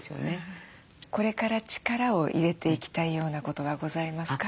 これから力を入れていきたいようなことはございますか？